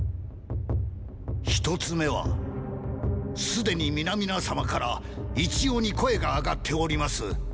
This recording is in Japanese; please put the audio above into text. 一つ目はーーすでに皆々様から一様に声が上がっております